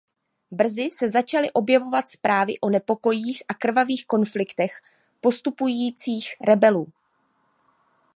Brzy se začaly objevovat zprávy o nepokojích a krvavých konfliktech postupujících rebelů.